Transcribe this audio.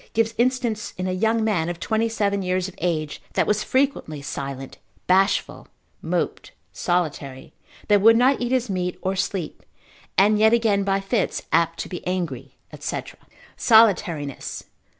gives instance in a young man, of twenty seven years of age, that was frequently silent, bashful, moped, solitary, that would not eat his meat, or sleep, and yet again by fits apt to be angry, &c. _Solitariness.